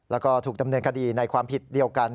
แล้วก็ถูกดำเนินคดีในความผิดเดียวกัน